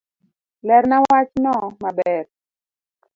Lerna wachno maber